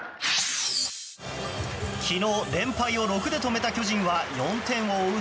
昨日、連敗を６で止めた巨人は４点を追う